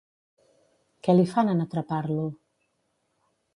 Què li fan en atrapar-lo?